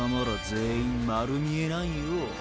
全員丸見えなんよぉ。